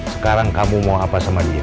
sekarang kamu mau apa sama dia